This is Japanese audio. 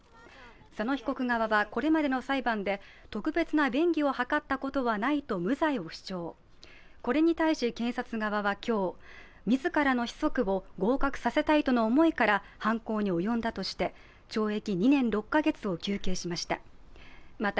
佐野被告側はこれまでの裁判で特別な便宜を図ったことはないと無罪を主張、これに対し検察側は今日、自らの子息を合格させたいとの思いから犯行に及んだとして懲役２年６カ月を求刑しました。